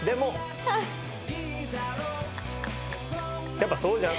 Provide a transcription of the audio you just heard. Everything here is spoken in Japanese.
やっぱそうじゃん？